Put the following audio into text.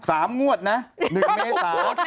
สามงวดนะ๑เมศ